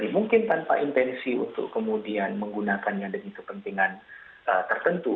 mungkin tanpa intensi untuk kemudian menggunakannya demi kepentingan tertentu